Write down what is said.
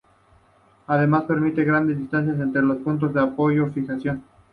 Además, permite grandes distancias entre los puntos de apoyo o fijación.